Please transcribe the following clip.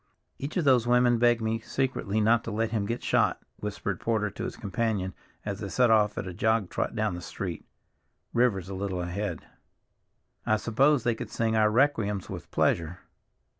"Each of those women begged me secretly not to let him get shot," whispered Porter to his companion as they set off at a jog trot down the street, Rivers a little ahead. "I suppose they could sing our requiems with pleasure."